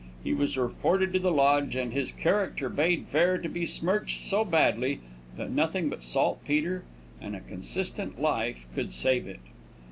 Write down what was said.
He was reported to the lodge, and his character bade fair to be smirched so badly that nothing but saltpeter and a consistent life could save it.